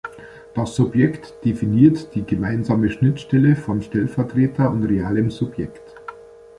Das Subjekt definiert die gemeinsame Schnittstelle von Stellvertreter und realem Subjekt.